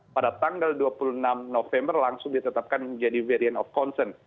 pada tanggal dua puluh enam november langsung ditetapkan menjadi variant of concern